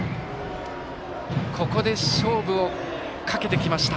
ここで勝負をかけてきました。